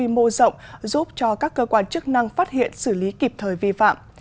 mô rộng giúp cho các cơ quan chức năng phát hiện xử lý kịp thời vi phạm